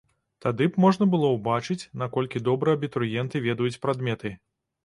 Тады б можна было убачыць, наколькі добра абітурыенты ведаюць прадметы.